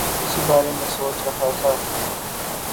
میں بالکل اسی بارے میں سوچ رہا تھا